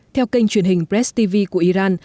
theo kênh truyền hình press tv của iran